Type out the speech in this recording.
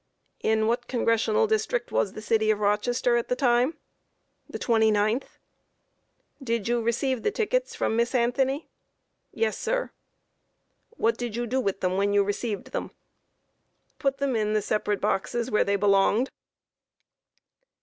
Q. In what Congressional District was the city of Rochester at the time? A. The 29th. Q. Did you receive the tickets from Miss Anthony? A. Yes, sir. Q. What did you do with them when you received them? A. Put them in the separate boxes where they belonged.